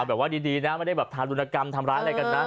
แบบว่าดีนะไม่ได้แบบทารุณกรรมทำร้ายอะไรกันนะ